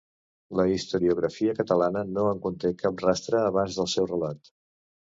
La historiografia catalana no en conté cap rastre abans del seu relat.